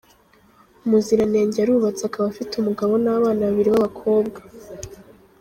Muziranenge arubatse akaba afite umugabo n’abana babiri b’abakobwa.